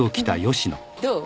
どう？